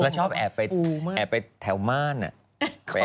ครับผมชอบแอบไปแอบไปแถวมารอะ